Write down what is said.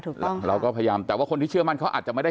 เราก็พยายามแต่ว่าคนที่เชื่อมั่นเขาอาจจะไม่ได้